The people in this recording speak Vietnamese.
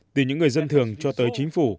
từ những người dân thường cho tới chính phủ